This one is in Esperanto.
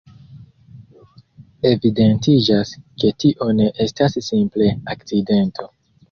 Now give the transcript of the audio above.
Evidentiĝas, ke tio ne estas simple akcidento.